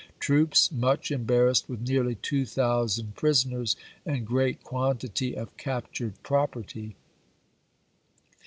Troops much embarrassed with nearly 2000 prisoners and great quantity of captured property."